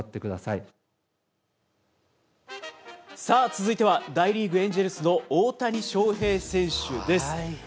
さあ、続いては、大リーグ・エンジェルスの大谷翔平選手です。